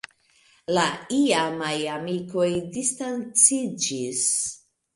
La iamaj amikoj distanciĝis.